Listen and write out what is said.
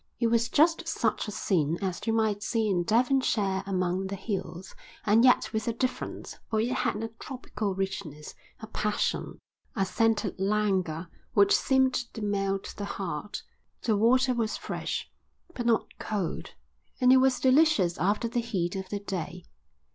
It was just such a scene as you might see in Devonshire among the hills, and yet with a difference, for it had a tropical richness, a passion, a scented languor which seemed to melt the heart. The water was fresh, but not cold; and it was delicious after the heat of the day.